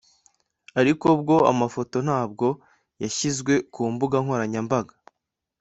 Ariko bwo amafoto ntabwo yashyizwe ku mbuga nkoranyambaga